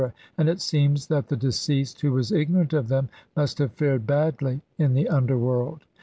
and it seems that the deceased who was ignorant of them must have fared badly in the underworld.